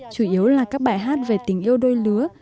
chủ yếu là các bài hát về tình yêu đôi lứa